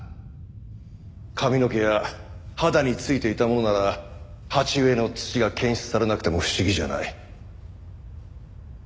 髪の毛や肌に付いていたものなら鉢植えの土が検出されなくても不思議じゃない。